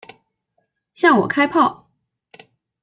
向我开炮！